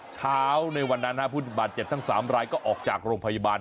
เช้าในวันนั้นผู้บาดเจ็บทั้ง๓รายก็ออกจากโรงพยาบาล